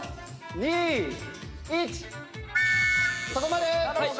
そこまで。